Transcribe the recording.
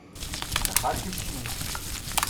на Харківщині